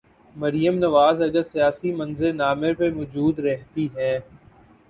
مریم نواز اگر سیاسی منظر نامے پر موجود رہتی ہیں۔